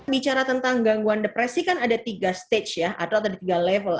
bicara tentang gangguan depresi kan ada tiga stage ya atau ada tiga level